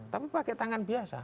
tapi pakai tangan biasa